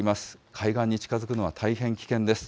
海岸に近づくのは大変危険です。